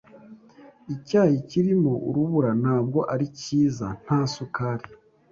Icyayi kirimo urubura ntabwo ari cyiza nta sukari.